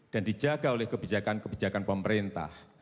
dan dijaga oleh kebijakan kebijakan pemerintah